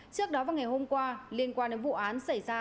trước đó vào ngày hôm qua liên quan đến vụ án xảy ra